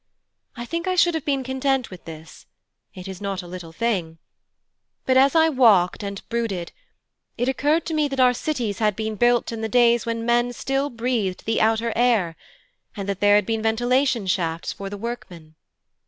I think I should have been content with this it is not a little thing, but as I walked and brooded, it occurred to me that our cities had been built in the days when men still breathed the outer air, and that there had been ventilation shafts for the workmen.